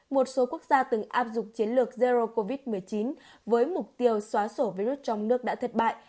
một số quốc gia từng áp dụng chiến lược zero covid một mươi chín với mục tiêu xóa sổ virus trong nước đã thất bại